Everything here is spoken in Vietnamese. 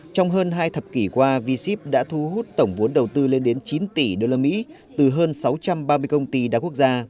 trong hơn hai thập kỷ qua v ship đã thu hút tổng vốn đầu tư lên đến chín tỷ usd từ hơn sáu trăm ba mươi công ty đa quốc gia